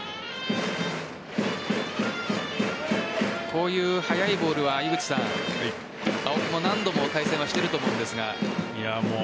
こういう速いボールは青木も何度も対戦はしていると思うんですが。